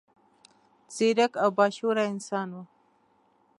ځیرک او با شعوره انسان و.